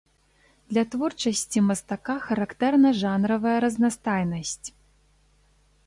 Для творчасці мастака характэрна жанравая разнастайнасць.